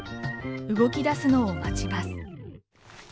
動き出すのを待ちます。